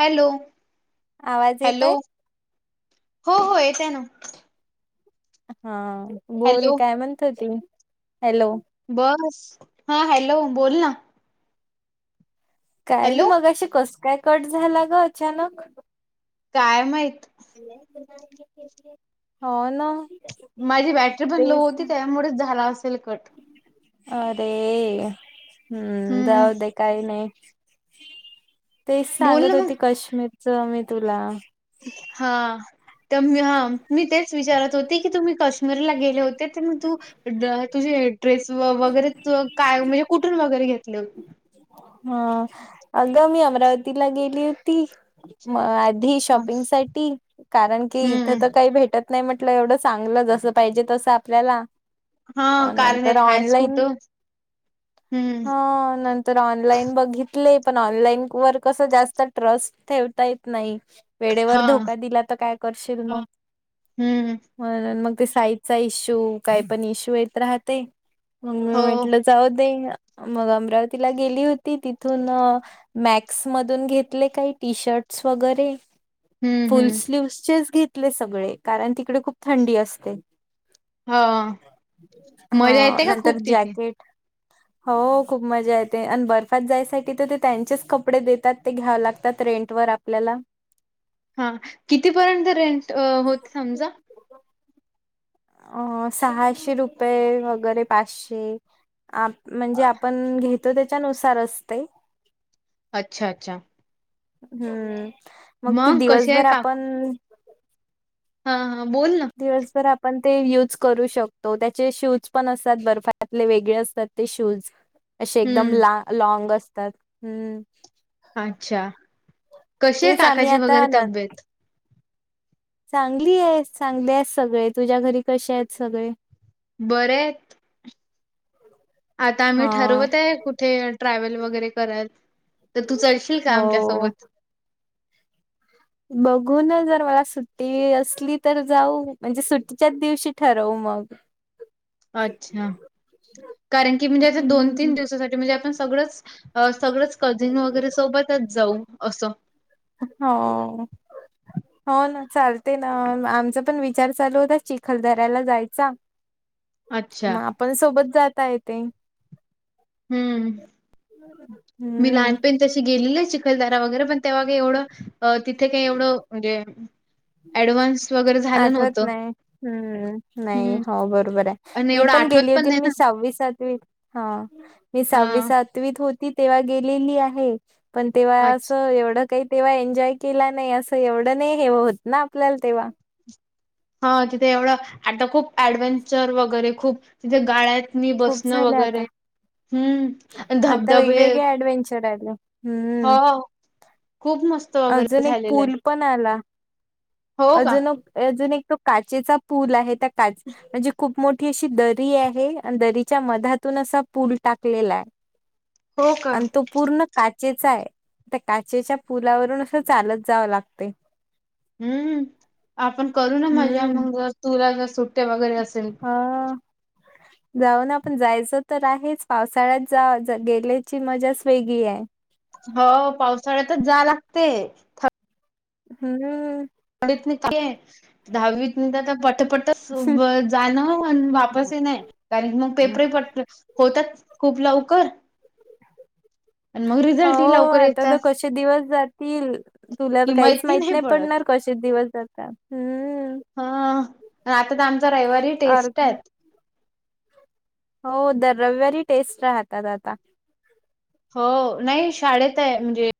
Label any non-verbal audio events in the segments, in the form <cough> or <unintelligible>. Hello. आवाज hello येतोय? हो हो येतोय ना. हा बोल हॅलो काय म्हणतो ती? हॅलो. बस हा. हॅलो बोल ना. काही हॅलो नाहीं मगाशी. कस काय कट झाला ग अचानक. काय माहित. हा ना. माझी बॅटरी पण लो तेच होती त्यामुळेच झाला असेल कट. अरे हम्म हम्म जाऊ हम्म. दे काही नाही. तेच बोल ना सांगत मग होती काश्मीरच मी तुला हा तर हा मी तेच विचारत होते की तुम्ही कश्मीरला गेले होते? ग तुझे ड्रेस वगैरे काय म्हणजे कुठून वगैरे घेतले हा अग मी अमरावतीला गेली होती म हा. शॉपिंग साठी कारण की इथ हम्म तर काही भेटत नाही म्हटलं एवढं चांगलं जसं पाहिजे तसं आपल्याला हा कारण यात नंतर हायच ऑनलाईन कुठं हम्म ह नंतर ऑनलाईन बघितले पण ऑनलाईन वर कस जास्त ट्रस्ट ठेवता येत नाही. वेळेवर हा धोका दिला तर काय करशील ना हम्म म्ह मग साईजचा इश्यू काय पण इश्यू येत राहते मग मी हो म्हटलं जाऊ दे मग अमरावती तिला गेली होती तिथून मॅक्स मधून घेतले काही टी शर्टस वगैरे हम्म फुल हम्म स्लीव्हचेच घेतले सगळे कारण तिकडे खूप थंडी असते. हा मजा हा येते का नंतर खूप तिथे जॅकेट हो खूप मजा येत. आणि बर्फात जायसाठी तर ते त्यांचेच कपडे देतात ते घ्याव लागतात रेंट वर आपल्याला हा कितीपर्यंत रेंट होत समजा. अ सहाशे रुपये वगैरे पाचशे आप म्हणजे अ, आपण घेतो त्याच्यानुसारच ते अच्छा अच्छा हम्म मग ते कसे दिवसभर आहे काक आपण हा हा बोल ना दिवसभर आपण ते यूज करू शकतो. त्याचे शूज पण असतात बर्फतले वेगळे असतात ते शूज. असे एकदम हम्म ला लाँग असतात हम्म अच्छा कशी आहे तेच आम्ही काकाची आता वगैरे न तब्येत? चांगली आहे चांगली आहे सगळे. तुझ्या घरी कसे आहेत सगळे? बरे आहेत. आता हा आम्ही ठरवत आहे कुठे ट्रॅव्हल वगैरे कराल. तर तू चलशील का हो आमच्यासोबत बघून जर मला सुट्टी असली तर जाऊ म्हणजे सुट्टीच्याच दिवशी ठरवू. मग अच्छा कारण की म्हणजे आ दोन हम्म तीन दिवसासाठी म्हणजे आपण सगळंच सगळंच कझिन वगैरे सोबतच जाऊ असं हो हो ना चालते ना आमचा पण विचार चालू होता चिखलदऱ्याला जायचा अच्छा मग आपण सोबत जाता येते. हम्म <inaudible> मी लहानपणी तशी गेलेली चिखलदराा वगैरे पण तेव्हाग एवढं अ तिथे काही एवढं म्हणजे ऍडव्हान्स वगैरे झालं आठवत नव्हतं. नाही हम्म नाही हं. हो बरोबर आहे आणि मी एवढं पण आठवत गेली होती नाही ना. मी साव मी सातवी सहावी हां. सातवीत होती. तेव्हा गेलेली आहे पण तेव्हा अस अच्छा. एवढं काही तेव्हा एन्जॉय केला नाही असं एवढं नाही हे होत ना आपल्याला तेव्हा. हा तिथे एवढं आता खूप ऍडव्हेंचर वगैरे खूप तिथे गाळ्या आहेत मी खूप बसणं झाले वगैरे. आता हम्म आणि आता धबधबे वेगवेगळे ऍडव्हेंचर आले हम्म हो खूप मस्त वगैरे अजून एक झालेलं. पूल पण आला हो का? अजून अ अजून एक तो काचेचा पूल आहे, त्या काच म्हणजे खूप मोठी अशी दरी आहे, आणि दरीच्या मधातून असा पूल टाकलेलाय. हो का? आणि तो पूर्ण का चेचा आहे, त्या काचेच्या पुलावरून असं चालत जावं लागतंय. हम्म, आपण करू ना मजा हम्म. मग जर तुला जर सुट्ट्या वगैरे असेल हा <inaudible> जाऊ ना आपण, जायचं तर आहेच पावसाळ्यात जा गेल्याची मजाच वेगळी आहे. हो पावसाळ्यातच जा लागते थ हम्म. <unintelligible> दहावीत <unintelligible> <unintelligible> जाणं अन वापस ही नाही, कारण मग पेपर हायत वाटतं, होतात खूप लवकर? आणि मग रिझल्ट ही हो, लवकर आता तर येतात. कसे दिवस जात तील, तुला तर कि काहीच माहिती माहित नाही पडत पडणार कसे दिवस जातात, हम्म. हा, आन आता तर आमचा रविवारी अर टेस्ट आहेत. हो दर रविवारी टेस्ट राहतात आता. हो, नाही शाळेत आहे म्हणजे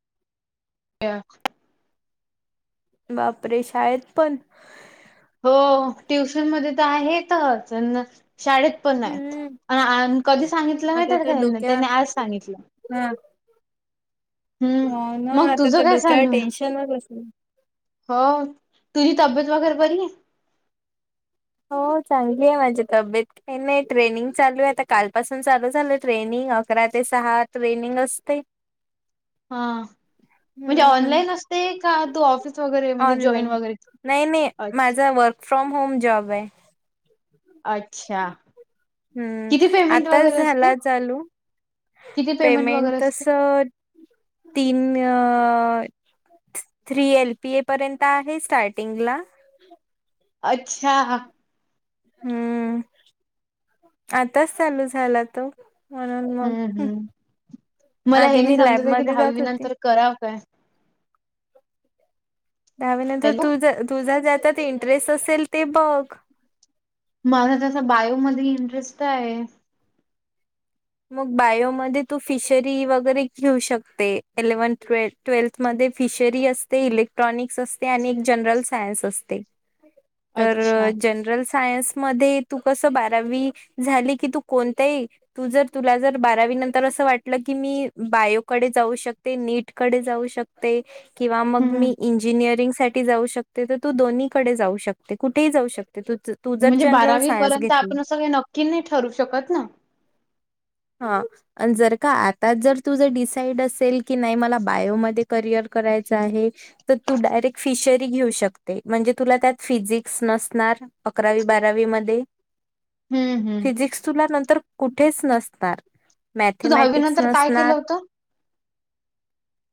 बापरे! शाळेत पण? हो, ट्युशन मध्ये तर आहेतच अन शाळेत पण हाय, हम्म. आ न कधी सांगितलं माहीत आता का तर त्यांनी? डोक्यात त्यांनी आज सांगितलं. हा. हम्म. हो ना मग आता तुझं तर काय डोक्याला चालू आहे? टेन्शनच असलं. हो तुझी तब्येत वगैर बरी आहे? हो चांगली आहे माझी तब्येत. काही नाही ट्रेनिंग चालू आहे आता कालपासून चालू झालं ट्रेनिंग. अकरा ते सहा ट्रेनिंग असते. हा म्हणजे हम्म ऑनलाईन असते का तू ऑफिस वगैरे म्हणजे जॉईन ऑनलाईन. वगैरे नाही नाही अ माझा वर्क फ्रॉम होम जॉब आहे. <inaudible> अच्छा हम्म किती पेमेंट आताच वगैरे असते झाला चालू. किती पेमेंट वगैरे तस असते तीन अ थ्री एल पी ए पर्यंत आहे स्टार्टिंगला. <inaudible> अच्छा. हम्म <inaudible> आताच चालू झाला तो. म्हणून मग हम्म हम्म. मला आधी हे नाही मी समजत आहे की लॅबमध्ये दहावी जात होते नंतर करावं काय? <inaudible> दहावीनंतर हॅलो तुझ तुझा ज्याच्यात इंटरेस्ट असेल ते बघ. माझा जसा बायोमध्ये इंटरेस्ट आहे. मग बायोमध्ये तू फिशरी वगैरे घेऊ शकते. इलेव्हन्थ, ट्वेल्थ म ते फिशरी असते, इलेक्ट्रॉनिक्स असते आणि एक जनरल सायन्स असते. तर अच्छा जनरल सा सायन्स मध्ये तू कस बारावी झाली की तू कोणतही तू जर तुला जर बारावी नंतर असं वाटलं की मी बायोकडे जाऊ शकते. नीटकडे जाऊ शकते किंवा मग हम्म मी इंजिनिअरिंग साठी जाऊ शकते तर तू दोन्हीकडे जाऊ शकते. कुठेही जाऊ शक तू जर म्हणजे जनरल बारावी सायन्स पर्यंत घेतलं आपण असं काही नक्की नाही ठरू शकत ना हा आणि जर का आताच जर तुझं डिसाईड असेल, की नाही मला बायोमध्ये करिअर करायचं आहे म्हणजे, तर तु डायरेक्ट फिशरी घेवू शकते, म्हणजे तुला त्यात फिजिक्स नसणार. अकरावी बारावी मध्ये हम्म हम्म फिजिक्स तुला नंतर कुठेच नसणार. तू दहावी मॅथमॅटिक्स नंतर काय केलं नसणार. होतं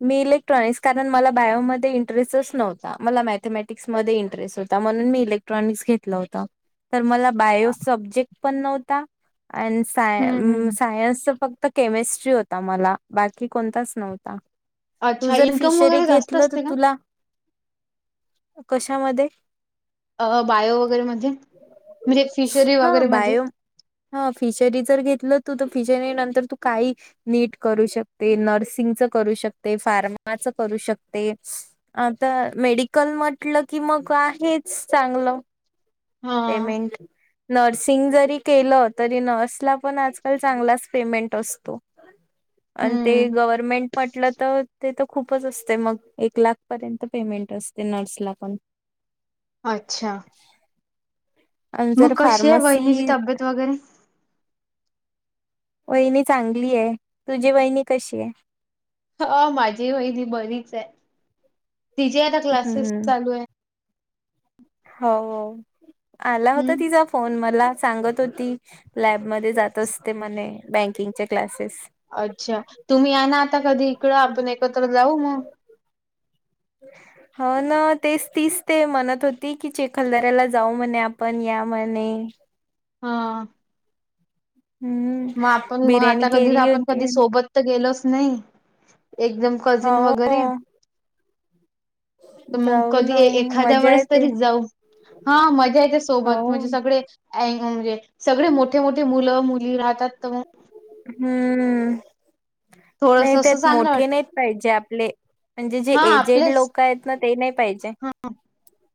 मी इलेक्ट्रॉनिक्स कारण मला बायोमध्ये इंटरेस्टच नव्हता, मला मॅथमॅटिक्समध्ये इंटरेस्ट होता. होता, म्हणून मी इलेक्ट्रॉनिक्स घेतला होता. तर मला बायो सब्जेक्ट पण नव्हता, अँन्ड साय हम्म हम्म सायन्सचा फक्त केमिस्ट्री होता, मला बाकी कोणताच नव्हता. तू अच्छा जर इन्कम फिशरी वगैरे जास्त घेतलं तर असते का तुला कशामध्ये? अ बायो वगैरे मध्ये म्हणजे फिशरी हा वगैरे मध्ये. बायो हा फिशरी जर घेतल तू तू पीजे नंतर तू काही नीट करू शकते, नर्सिंगच करू शकते फार्माच करू शकते, आता मेडिकल म्हटलं की मग आहे चांगलं. हा पेमेंट नर्सिंग जरी केलं तरी नर्सला पण आजकाल चांगलाच पेमेंट असतो. आणि ते हम्म गव्हर्मेंट म्हटलं तर ते खूपच असते मग एक लाखपर्यंत पेमेंट असते नर्सला पण अच्छा. आणि मग जर कशी आहे वहिणीची फार्मसी तब्येत वगैरे वहिणी चांगली आहे तुझी वहिणी कशी आहे. ह माझी वहि त बरीच आहे तिजे आता क्लासेस हम्म चालू आहे. हो आला होता हम्म. तिचा फोन मला सांगत होती लॅबमध्ये जात असते म्ह बँकिंगचे क्लासेस अच्छा तुम्ही या ना आता कधी इकडं आपण एकत्र जाऊ मग हो ना तेच तीच ते म्हणत होती की चेखलदऱ्याला जाऊ म्हणे आपण त्यामणे हा. हम्म मग आपण मग बिर्याणी आता कधीच केली आपण कधी होती सोबत तर गेलो. नाही एकदम हो कझिन वगैरे तर मग जाऊ कधी ना एखाद्या मजा वेळेस येते तरी जाऊ. हा मजा या त्या हो सोबत म्हणजे सगळे अ म्हणजे सगळे मोठे मोठे मुलं मुली राहतात तर मग हम्म नाही थोडस असं त्यात चांगलं मोठे वाटत नाहीत पाहिजे आपले म्हणजे जे हा एजेड आपलेच लोक आहेत ना ते नाही पाहिजे.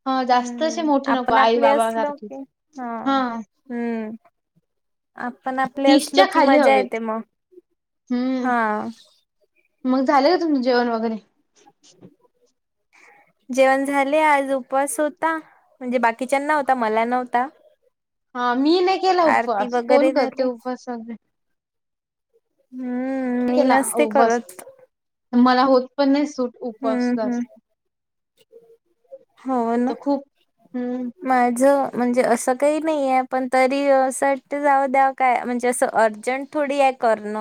ह जास्त असे हम्म मोठे नको आपण आई आपले बाबा असलो सारखे की हा हम्म. आपण आपले असलो तीसच्या कि खाली मजा हवेत येते मग हम्म हा. मग झाले का तुमं जेवण वगैरे <unintelligible> जेवण झाले आज उपवास होता म्हणजे बाकीच्यां न होता मला नव्हता. हा मी नाही केला आरती उपवास वगैरे कोण करते झाली उपवास वगैरे हम्म नाही मी केला नसते उपवास करत. मला होत पण नाही सूट हम्म उपस्त हम्म. असते. हो ना हम्म माझ. म्हणजे असं काही नाही आहेे पण तरी असं वाट जाव द्याव काय म्हणजे असं अर्जंट थोडी करण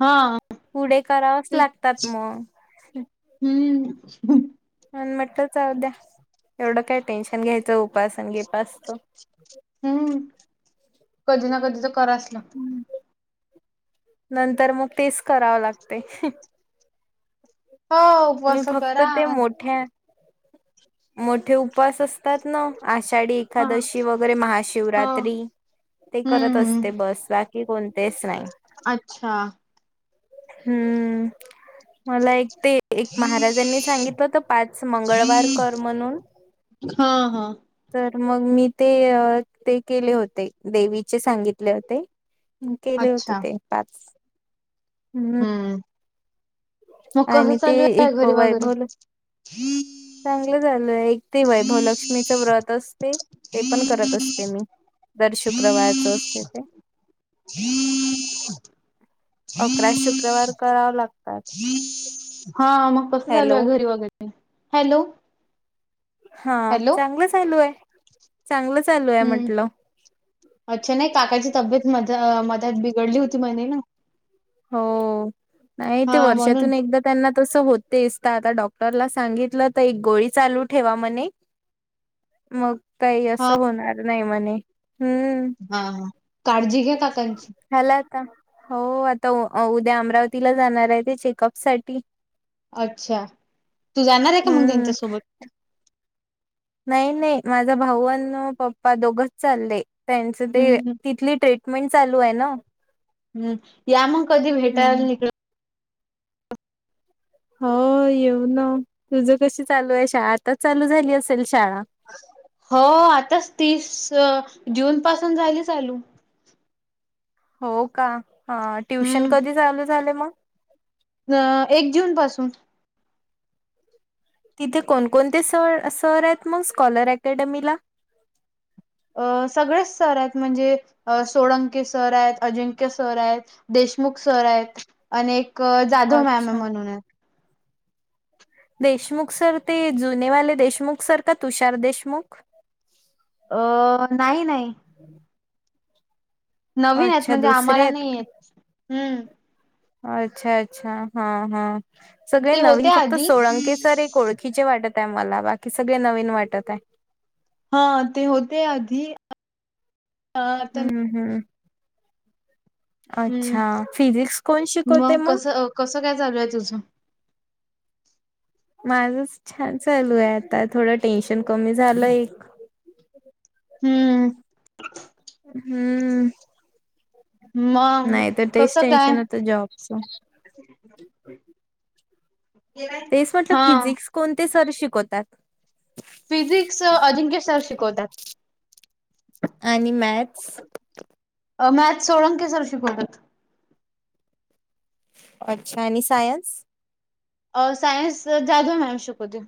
हा. पुढे करावच ते लागतात मग <unintelligible> आणि म्हटलंच अवद्या एवढं काय टेन्शन घ्यायचं उपासन घेप असतो. हम्म कधी ना कधी तर कराच ना नंतर मग तेच करावं लागते. हो मी उपवास फक्त करा ते मोठ्या मोठे उपास असतात ना आश आषाढी हा एकादशी वगैरे हा महाशिवरात्री ते करत हम्म असते हम्म. बस. की कोणतेच नाही. अच्छा. हम्म मला एक ते एक महाराजांनी सांगितलं तर पाच मंगळवार कर म्हणून हा हा. तर मग मी ते ते केले होते देवीचे सांगितले होते. केले होते अच्छा ते पाच हम्म. मग कस आणि ते चालू एक घरी बाघरी. चलं झालंय एक ते वैभवलक्ष्मीचं व्रत असते ते पण करत असते मी जर शुक्रवारच असते ते हम अकरा शुक्रवार करावं हम. लागतात. हा मग कस चालू हॅलो आहे घरी वगैरे हॅलो. हा हॅलो चांगलं चालू आहे चांगलं चालू आहे हम्म म्हटलं अच्छा नाही काकाची तब्येत म मदत बिघडली होती म ना हो नाही ते हा म्हणून वर्षातून एकदा त्यांना तस होतेस का आता डॉक्टरला सांगितलं तर एक गोळी चालू ठेवा म्हणे मग काही हा असं होणार नाही म्हणे हम्म हा हा काळजी घ्या काकांची हला का हो तर उद्या अमरावतीला जाणार आहे ते चेकअप साठी अच्छा तू जाणार आहे का मग हम्म त्यांच्यासोबत नाही नाही माझा भाऊ अन पप्पा दोघच चाललेय त्यांचं ते हम्म तिथली ट्रीटमेंट चालू आहे ना हम्म या मग कधी हम्म भेटायला निघळ हो येऊ ना तुझ कशी चालू आहे शाळा आताच चालू झाली असेल शाळा हो आताच तीस जून पासून झाली चालू हो का ट्युशन कधी चालू झाले मग अ एक जून पासून तिथे कोणकोणते सर सर आहेत मग स्कॉलर अकॅडमीला अ सगळेच सर आहेत म्हणजे सोळंके सर आहेत अजिंक्य सर आहेत देश देशमुख सर आहेत अनेक जाधव मॅम अच्छा म्हणून देशमुख सर ते जुनेवाले देशमुख सर का तुषार देशमुख अ नाही नाही नवीन आहेत अच्छा म्हणजे दुसरे आम्हाला नाही आहेत हम्म अच्छा अच्छा हा हा सगळे ते होते नवीन फक्त आधी सोळंके सर एक ओळखीचे वाटत मला बाकी सगळे नवीन वाटत आहे हा ते होते आधी अ, आता हम्म हम् हम्म अच्छा फिजिक्स कोण शिकवते मग कसं कसं काय चालू आहे तुझं? माझच छान चालू आहे आता थोडं टेन्शन कमी झालं एक हम्म हम्म मग नाही तर तेच कसं काय टेन्शन होतं जॉबचं तेच म्हटलं हा फिजिक्स कोणते सर शिकवतात फिजिक्स अजिंक्य सर शिकवतात आणि मॅथस मी आज सोळंके सर शिकवतत अच्छा आणि सायन्स. सायन्स जाधव मॅम शकते.